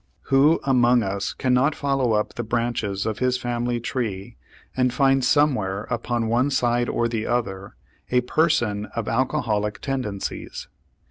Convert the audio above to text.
Who among us cannot follow up the branches of his family tree and find somewhere upon one side or the other a person of alcoholic tendencies?